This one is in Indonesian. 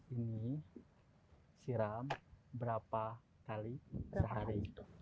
ini siram berapa kali sehari